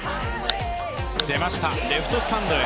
出ました、レフトスタンドへ。